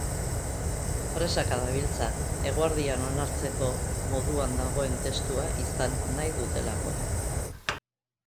Presaka dabiltza, eguerdian onartzeko moduan dagoen testua izan nahi dutelako.